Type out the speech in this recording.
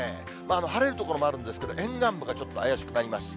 晴れる所もあるんですけど、沿岸部がちょっと怪しくなりました。